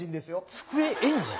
机エンジン？